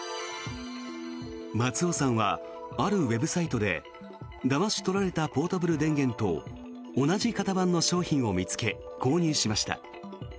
松尾さんはあるウェブサイトでだまし取られたポータブル電源と同じ型番の商品を見つけ購入しました。